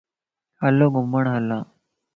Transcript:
ھلو گھمڻ ھلا